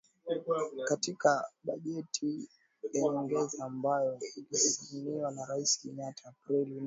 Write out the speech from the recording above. Katika bajeti ya nyongeza ambayo ilisainiwa na Rais Kenyatta Aprili nne, aliidhinisha shilingi bilioni thelathini na nne za kenya